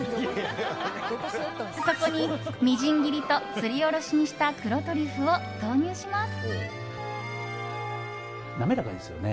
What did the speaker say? そこにみじん切りとすりおろしにした黒トリュフを投入します。